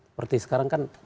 seperti sekarang kan